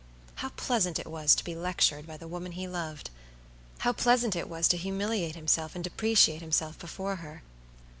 How pleasant it was to be lectured by the woman he loved! How pleasant it was to humiliate himself and depreciate himself before her!